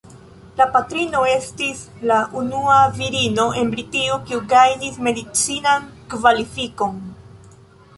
La patrino estis la unua virino en Britio kiu gajnis medicinan kvalifikon.